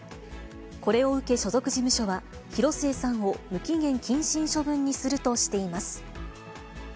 これを受け、所属事務所は、広末さんを無期限謹慎処分にするとしています。